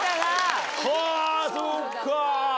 はぁそうか。